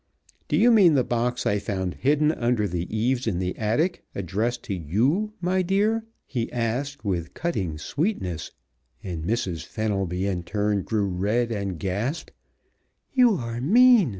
"Do you mean the box I found hidden under the eaves in the attic, addressed to you, my dear?" he asked with cutting sweetness, and Mrs. Fenelby, in turn, grew red and gasped. "You are mean!"